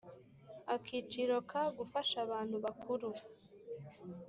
Akiciro ka Gufasha abantu bakuru